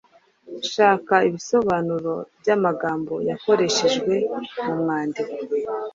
Shaka ibisobanuro by’amagambo yakoreshejwe mu mwandiko